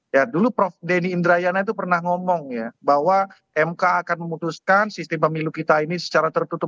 ya dulu prof denny indrayana itu pernah ngomong ya bahwa mk akan memutuskan sistem pemilu kita ini secara tertutup